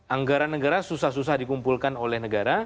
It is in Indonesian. anggaran negara susah susah dikumpulkan oleh negara